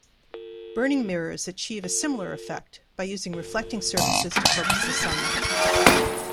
Burning mirrors achieve a similar effect by using reflecting surfaces to focus the light.